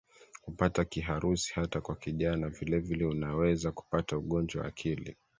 kupata Kiharusi hata kwa kijana Vilevile unaweza kupata ugonjwa wa akili